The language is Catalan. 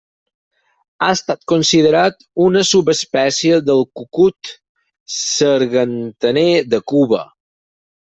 Ha estat considerat una subespècie del cucut sargantaner de Cuba.